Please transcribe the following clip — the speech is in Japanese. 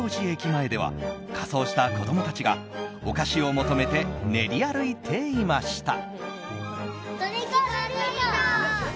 前では仮装した子供たちがお菓子を求めて練り歩いていました。